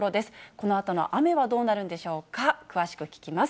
このあとの雨はどうなるんでしょうか、詳しく聞きます。